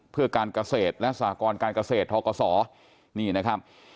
เพื่อการเกษตรและสหกรการเกษตรทกศนี่นะครับ